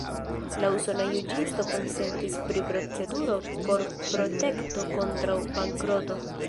La usona juĝisto konsentis pri proceduro por protekto kontraŭ bankroto.